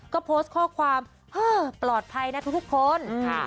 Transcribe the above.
ก็โพสต์ข้อความปลอดภัยนะทุกคนค่ะ